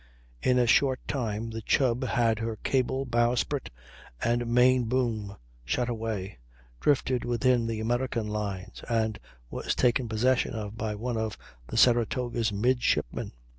In a short time the Chubb had her cable, bowsprit, and main boom shot away, drifted within the American lines, and was taken possession of by one of the Saratoga's midshipmen.